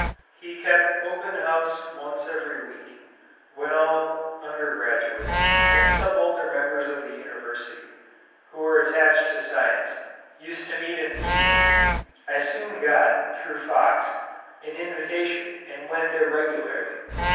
He kept open house once every week when all undergraduates, and some older members of the University, who were attached to science, used to meet in the evening. I soon got, through Fox, an invitation, and went there regularly.